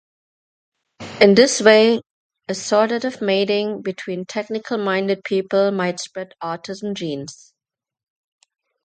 In this way, assortative mating between technical-minded people might spread autism genes.